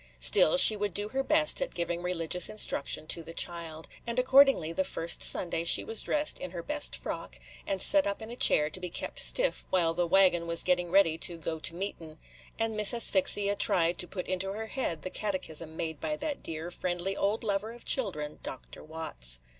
Still, she would do her best at giving religious instruction to the child; and accordingly the first Sunday she was dressed in her best frock, and set up in a chair to be kept stiff while the wagon was getting ready to "go to meetin'," and Miss Asphyxia tried to put into her head the catechism made by that dear, friendly old lover of children, Dr. Watts.